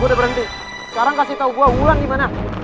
gua udah berhenti sekarang kasih tau gua wulan dimana